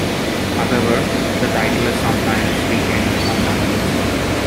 However, the tittle is sometimes retained in some languages.